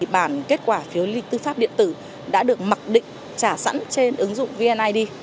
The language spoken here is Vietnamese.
bản kết quả phiếu lý lịch tư pháp điện tử đã được mặc định trả sẵn trên ứng dụng vnid